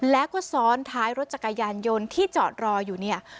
แล้วก็ซ้อนท้ายรถจักรยานยนต์ที่จอดรออยู่เนี่ย